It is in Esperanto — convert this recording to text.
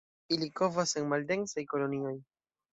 Ili kovas en maldensaj kolonioj.